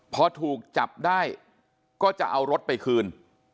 พอถูกจับได้ก็จะเอารถไปคืน